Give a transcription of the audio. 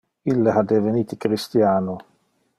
Ille ha devenite christiano.